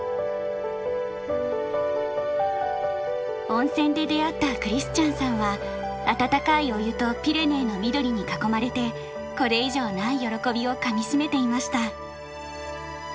温泉で出会ったクリスチャンさんは温かいお湯とピレネーの緑に囲まれてこれ以上ない喜びをかみしめていました。